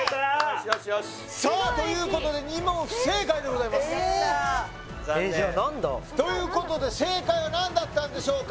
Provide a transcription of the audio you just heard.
よしよしよしさあということで２問不正解でございますえっじゃあ何だ？ということで正解は何だったんでしょうか？